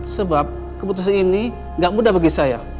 sebab keputusan ini tidak mudah bagi saya